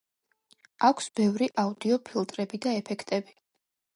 აქვს ბევრი აუდიო–ფილტრები და ეფექტები.